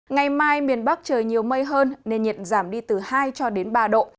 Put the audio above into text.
ngày mai miền bắc trời nhiều mây hơn nên nhiệt giảm đi từ hai cho đến ba độ